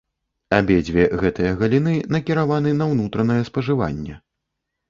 Абедзве гэтыя галіны накіраваны на ўнутранае спажыванне.